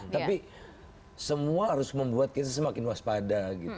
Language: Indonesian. tapi semua harus membuat kita semakin waspada gitu